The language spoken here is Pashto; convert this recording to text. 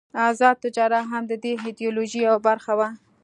آزاد تجارت هم د دې ایډیالوژۍ یوه برخه وه.